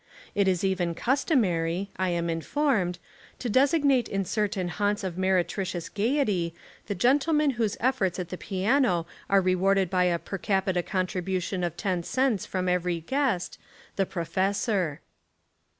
It is even customary — I am informed — to designate in certain haunts of meretricious gaiety the gen tleman whose efforts at the piano are rewarded by a per capita contribution of ten cents from every guest, — the "professor."